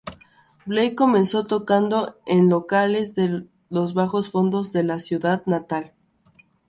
Blake comenzó tocando en locales de los bajos fondos de su ciudad natal.